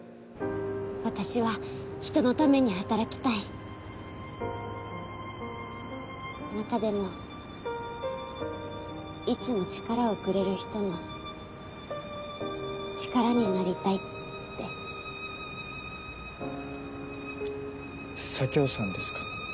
私は人のために働きたい中でもいつも力をくれる人の力になりたいって佐京さんですか？